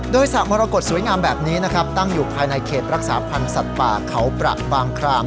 โดยสระมรกฏสวยงามแบบนี้นะครับตั้งอยู่ภายในเขตรักษาพันธ์สัตว์ป่าเขาประบางคราม